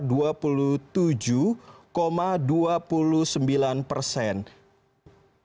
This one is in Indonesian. ini berdasarkan survei yang dilakukan oleh poltreking pada bulan desember dua ribu enam belas yang lalu